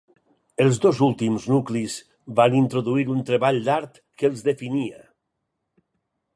Els dos últims nuclis van introduir un treball d'art que els definia.